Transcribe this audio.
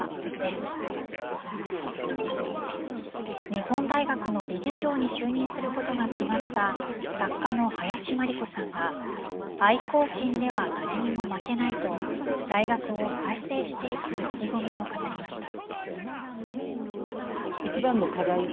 日本大学の理事長に就任することが決まった作家の林真理子さんが愛校心では誰にも負けないと大学を再生していく意気込みを語りました。